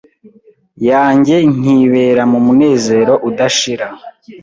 yanjye nkibera mu munezero udashira,